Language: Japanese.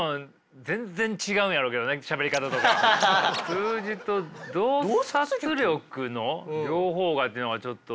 数字と洞察力の両方がっていうのがちょっと。